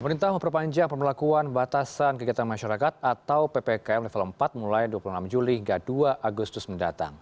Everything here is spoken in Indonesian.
pemerintah memperpanjang pembelakuan batasan kegiatan masyarakat atau ppkm level empat mulai dua puluh enam juli hingga dua agustus mendatang